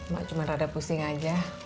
mak cuma rada pusing aja